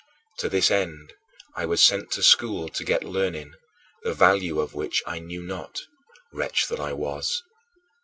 To this end I was sent to school to get learning, the value of which I knew not wretch that I was.